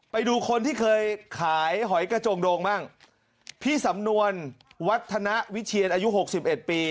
ไปดูคนที่เคยขายหอยกระโจงโดงบ้างพี่สำนวนวัฒนาวิเชียนอายุหกสิบเอ็ดปี